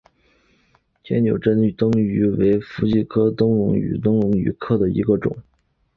天纽珍灯鱼为辐鳍鱼纲灯笼鱼目灯笼鱼科的其中一种。